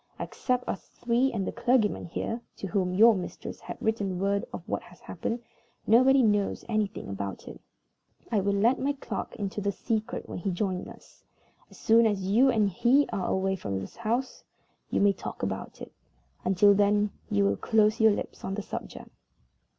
Except us three, and the clergyman here (to whom your mistress has written word of what has happened), nobody knows anything about it. I will let my clerk into the secret when he joins us. As soon as you and he are away from the house, you may talk about it. Until then, you will close your lips on the subject."